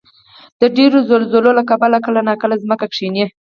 د ډېرو زلزلو له کبله کله ناکله ځمکه کښېني.